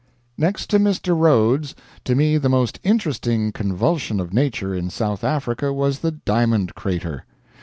Next to Mr. Rhodes, to me the most interesting convulsion of nature in South Africa was the diamond crater.